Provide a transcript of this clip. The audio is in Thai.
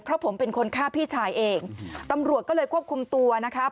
เพราะผมเป็นคนฆ่าพี่ชายเองตำรวจก็เลยควบคุมตัวนะคะ